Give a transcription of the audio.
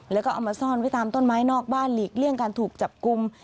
แล้วก็เอามาซ่อนไว้ตามต้นไม้นอกบ้านหลีกเลี่ยงการถูกจับกลุ่ม